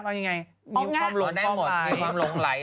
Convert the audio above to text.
ได้ทุกอย่างที่งะมีความลงไหล